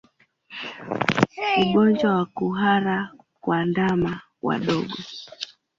Ugonjwa wa kuhara kwa ndama wadogo